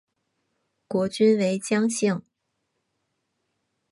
国君为姜姓。